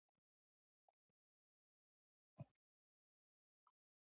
تواب ودرېد، چيغه يې کړه!